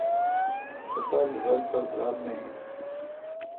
ہسپتالرل پر درام می این۔